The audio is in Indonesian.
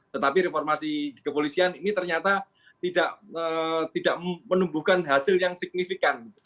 tetapi reformasi di kepolisian ini ternyata tidak menumbuhkan hasil yang signifikan